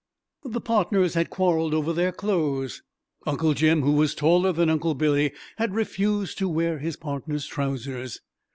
The partners had quarreled over their clothes Uncle Jim, who was taller than Uncle Billy, had refused to wear his partner's trousers.